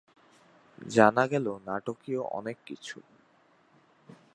জানা গেল নাটকীয় অনেক কিছু।